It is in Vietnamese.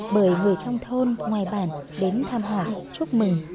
bởi người trong thôn ngoài bản đến thăm hỏi chúc mừng